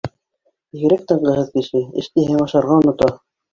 Бигерәк тынғыһыҙ кеше, эш тиһәң ашарға онота